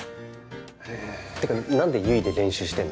えてか何で悠依で練習してんの？